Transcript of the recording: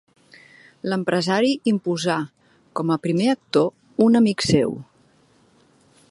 L'empresari imposà com a primer actor un amic seu.